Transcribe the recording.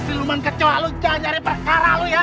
asli lu man kecoh lo jangan nyari perkara lo ya